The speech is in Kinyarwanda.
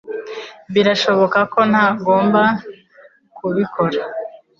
Birashoboka ko ntagomba kubikora